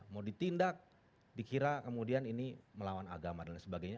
mau ditindak dikira kemudian ini melawan agama dan lain sebagainya